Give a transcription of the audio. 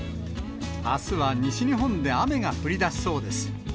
あすは西日本で雨が降りだしそうです。